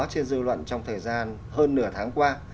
trên dư luận trong thời gian hơn nửa tháng qua